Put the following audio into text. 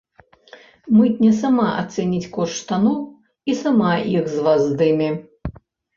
Мытня сама ацэніць кошт штаноў і сама іх з вас здыме.